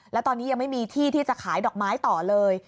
แล้วตอนนี้ยังไม่มีที่ที่จะขายดอกไม้ต่อเลย